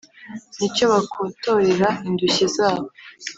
n' icyo bakotorera indushyi zabo.